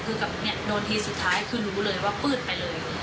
คือโดนทีสุดท้ายคือรู้เลยว่าปืดไปเลย